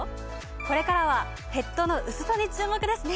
これからはヘッドの薄さに注目ですね！